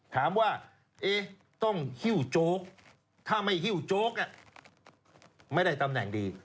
ถามว่าต้องหิ้วโจ๊กถ้าไม่ฮิ้วโจ๊กไม่ได้ตำแหน่งดี